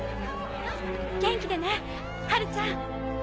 元気でねハルちゃん！